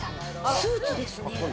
スーツですね。